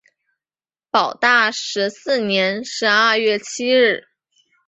保大十四年十二月七日。